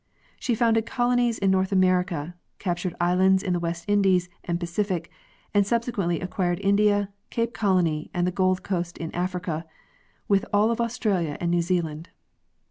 She founded colonies in North America, captured islands in the West Indies and Pacific, and subsequently acquired India; Cape Colony and the Gold coast in Africa, with all of Australia and New Zealand.